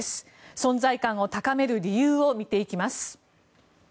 存在感を高める理由を見ていきます。